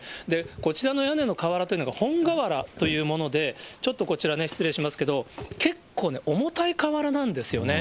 こちらの屋根の瓦というのが、ほん瓦というもので、ちょっとこちらね、失礼しますけど、結構ね、重たい瓦なんですよね。